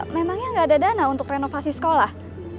memangnya nggak ada dana untuk renovasi sekolah